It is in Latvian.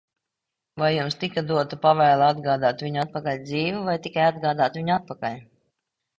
Vai jums tika dota pavēle atgādāt viņu atpakaļ dzīvu vai tikai atgādāt viņu atpakaļ?